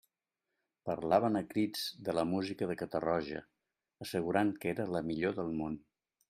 Parlaven a crits de la música de Catarroja, assegurant que era la millor del món.